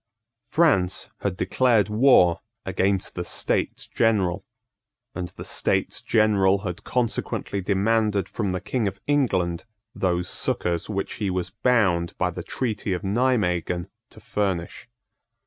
France had declared war against the States General; and the States General had consequently demanded from the King of England those succours which he was bound by the treaty of Nimeguen to furnish.